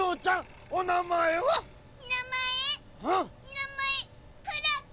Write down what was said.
なまえクラコ。